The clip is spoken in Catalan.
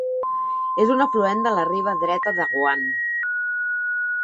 És un afluent de la riba dreta de Roine.